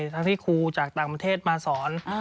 ทั้งที่ครูจากต่างประเทศมาสอน